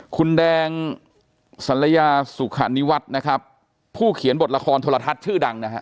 คุณแดงสัลยาสุขานิวัฒน์นะครับผู้เขียนบทละครโทรทัศน์ชื่อดังนะฮะ